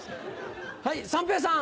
はい三平さん。